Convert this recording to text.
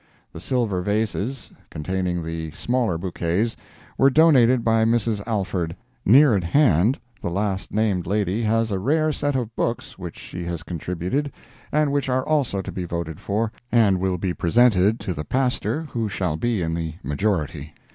The silver vases containing the smaller bouquets, were donated by Mrs. Alvord. Near at hand, the last named lady has a rare set of books which she has contributed, and which are also to be voted for, and will be presented to the pastor who shall be in the majority.